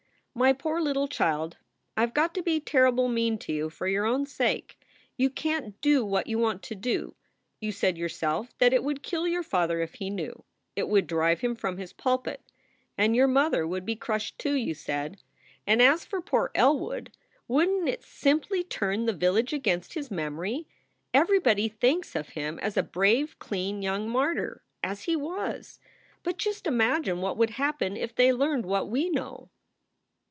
"My poor little child, I ve got to be terrible mean to you for your own sake. You can t do what you want to do. You said yourself that it would kill your father if he knew; it would drive him from his pulpit. And your mother would be crushed too, you said. And as for poor Elwood wouldn t it simply turn the village against his memory? Everybody thinks of him as a brave, clean young martyr as he was. But just imagine what would happen if they learned what we know.